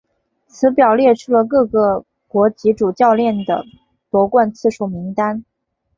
此表列出了各个国籍主教练的夺冠次数名单。